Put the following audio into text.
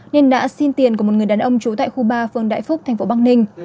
nên đã xin tiền của một người đàn ông trú tại khu ba phường đại phúc thành phố bắc ninh